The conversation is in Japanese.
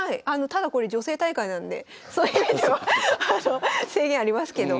ただこれ女性大会なんでそういう意味では制限ありますけど。